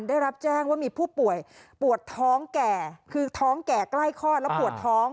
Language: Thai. ได้รับแจ้งว่ามีผู้ป่วยปวดท้องแก่คือท้องแก่ใกล้คลอดแล้วปวดท้อง